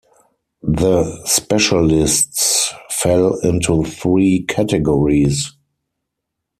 The specialists fell into three categories.